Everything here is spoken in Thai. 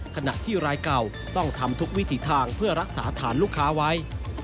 ขณะที่รายเก่าต้องทำทุกวิถีทางเพื่อรักษาฐานลูกค้าไว้